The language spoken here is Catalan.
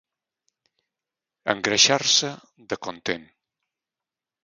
Engreixar-se de content.